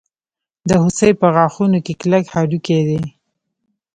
د هوسۍ په غاښونو کې کلک هډوکی دی.